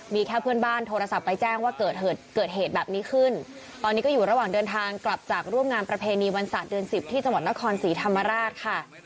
มีแค่เพื่อนบ้านโทรศัพท์ไปแจ้งว่าเกิดเหตุแบบนี้ขึ้นตอนนี้ก็อยู่ระหว่างเดินทางกลับจากร่วมงานประเพณีวันศาสตร์เดือน๑๐ที่จังหวัดนครศรีธรรมราชค่ะ